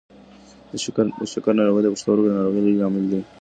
د شکر ناروغي د پښتورګو د ناروغۍ لوی لامل دی.